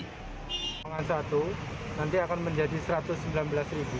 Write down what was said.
pengembangan satu nanti akan menjadi rp satu ratus sembilan belas